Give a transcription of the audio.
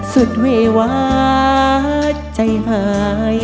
สุดเววาใจหาย